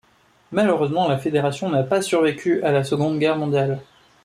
Malheureusement, la fédération n'a pas survécu à la Seconde Guerre mondiale.